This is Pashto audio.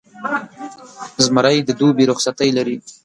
زمری د دوبي رخصتۍ لري.